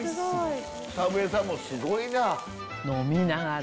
草笛さんもすごいなぁ。